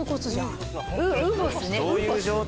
どういう状態？